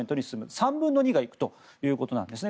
３分の２が行くということなんですね。